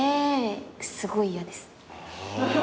すごい嫌です。